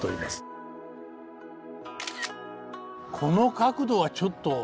この角度はちょっと。